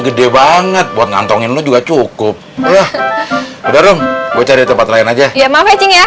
gede banget buat ngantongin lu juga cukup wah udah dong gue cari tempat lain aja ya maaf matching ya